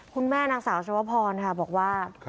คุณแม่นางสาวชวพรค่ะบอกว่า